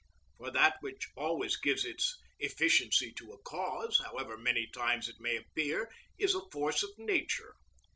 For that which always gives its efficiency to a cause, however many times it may appear, is a force of nature.